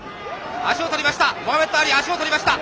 足を取りました。